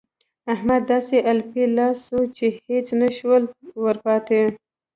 احمد داسې الپی الا سو چې هيڅ نه شول ورپاته.